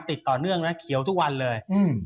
ต่อเนื่องนะเขียวทุกวันเลย